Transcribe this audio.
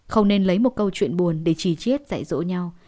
không nên lấy một câu chuyện buồn để trì chiết dạy dỗ nhau